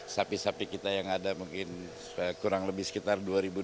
sapi sapi kita yang ada mungkin kurang lebih sekitar dua